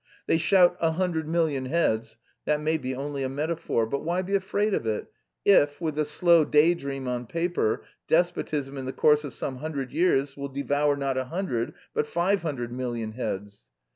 They shout 'a hundred million heads'; that may be only a metaphor; but why be afraid of it if, with the slow day dream on paper, despotism in the course of some hundred years will devour not a hundred but five hundred million heads?